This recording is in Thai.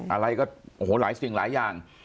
อะไรก็โอ้โหหลายสิ่งหลายอย่าง